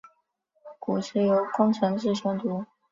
古时由中臣式宣读。